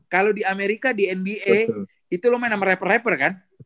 kalau di amerika di nba itu lo main sama rapper rapper kan